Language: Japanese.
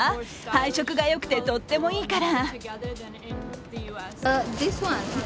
配色がよくてとってもいいから。